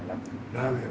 ラーメンを。